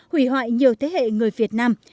hủy hoại nhiều thế hệ người việt nam